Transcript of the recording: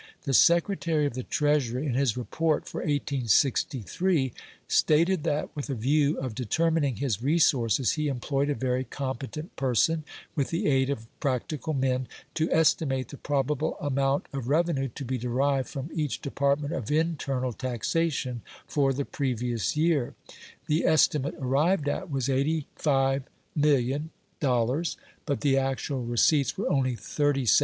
The Secretary of the Treasury, in his report for 1863, stated that, with a view of determining his resources, he employed a very competent person, with the aid of practical men, to estimate the probable amount of revenue to be derived from each department of internal taxation for the previous year. The estimate arrived at was $85,000,000, but the actual receipts were only $37,000,000."